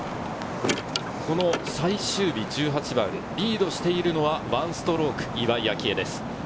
最終日１８番、リードしているのは１ストローク、岩井明愛です。